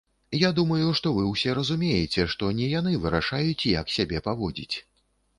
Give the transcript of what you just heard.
Я думаю, што вы ўсе разумееце, што не яны вырашаюць, як сябе паводзіць.